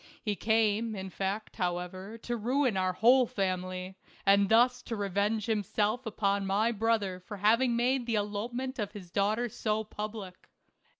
He came, in fact, however, to ruin our whole family, and thus to revenge himself upon my brother for having made the elopement of his daughter so public.